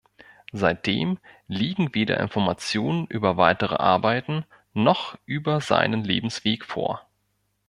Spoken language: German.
Seitdem liegen weder Informationen über weitere Arbeiten, noch über seinen Lebensweg vor.